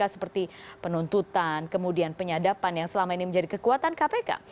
seperti penuntutan kemudian penyadapan yang selama ini menjadi kekuatan kpk